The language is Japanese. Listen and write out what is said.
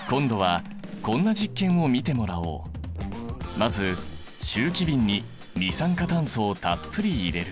まず集気びんに二酸化炭素をたっぷり入れる。